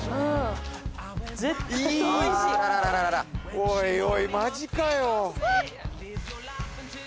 おいおいマジかよ。